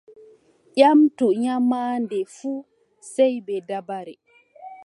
Ƴamtu nyaamaande fuu sey bee dabare.